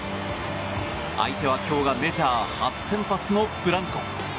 相手は今日がメジャー初先発のブランコ。